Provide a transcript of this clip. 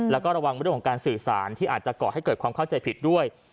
แล้วก็ระวังเรื่องของการสื่อสารที่อาจจะก่อให้เกิดความเข้าใจผิดด้วย